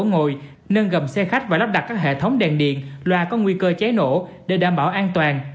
ngồi nâng gầm xe khách và lắp đặt các hệ thống đèn điện loa có nguy cơ cháy nổ để đảm bảo an toàn